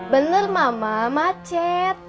bener mama ma chat